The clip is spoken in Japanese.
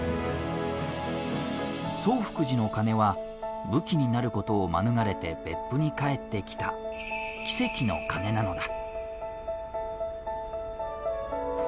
崇福寺の鐘は武器になることを免れて別府に帰ってきた奇跡の鐘なのだ。